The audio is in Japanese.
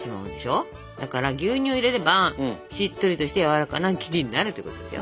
だから牛乳入れればしっとりとしてやわらかな生地になるということですよ。